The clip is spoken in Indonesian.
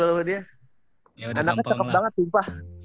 oh yang cowok kan